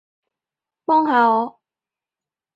幫下我